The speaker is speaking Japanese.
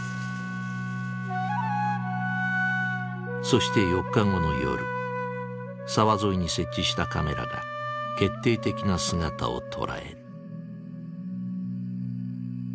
そして４日後の夜沢沿いに設置したカメラが決定的な姿を捉える。